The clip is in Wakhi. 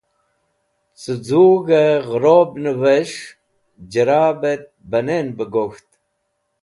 Cẽ z̃ug̃hẽ gẽrobnẽvẽs̃h j̃rabet banẽn be gok̃ht.